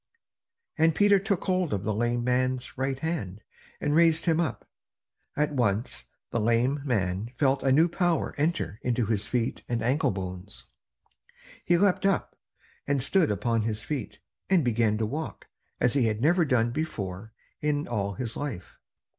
And Peter took hold of the lame man's right hand, and raised him up. At once the lame man felt a new power entering into his feet and ankle bones. He leaped up, and stood upon his feet, and began to walk, as he had never done before in all his life.